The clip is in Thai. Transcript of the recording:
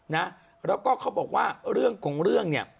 นะแล้วก็เขาบอกว่าเรื่องของเรื่องเนี่ย